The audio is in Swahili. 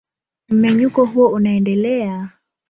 Mmenyuko huo unaendelea.